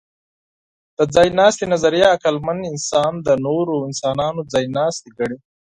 د ځایناستي نظریه عقلمن انسان د نورو انسانانو ځایناستی ګڼي.